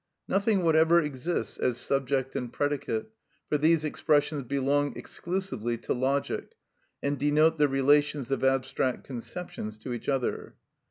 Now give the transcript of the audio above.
8. Nothing whatever exists as subject and predicate, for these expressions belong exclusively to logic, and denote the relations of abstract conceptions to each other.